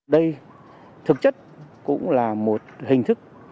đây thực chất cũng là một hình thức